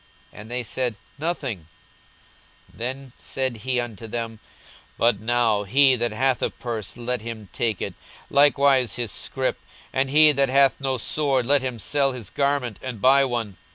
And they said, Nothing. 42:022:036 Then said he unto them, But now, he that hath a purse, let him take it, and likewise his scrip: and he that hath no sword, let him sell his garment, and buy one.